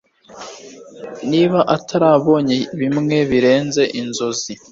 Niba atarabonye bimwe birenze inzozi